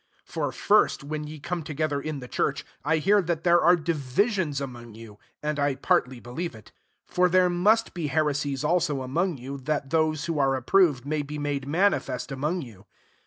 18 For first, when ye come together in the church, I hear that there are divisions among you: and I partly believe it. 19 For there must be heresies also among you ; that those who are ap proved may be made manifest among you.